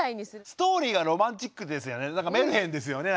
ストーリーがロマンチックですよね。